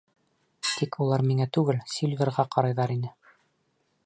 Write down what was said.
Тик улар миңә түгел, Сильверға ҡарайҙар ине.